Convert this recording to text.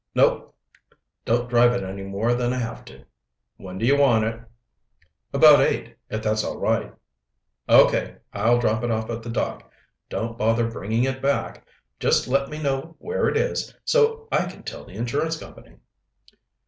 "Nope. Don't drive it any more than I have to. When do you want it?" "About eight, if that's all right." "Okay. I'll drop it off at the dock. Don't bother bringing it back. Just let me know where it is so I can tell the insurance company."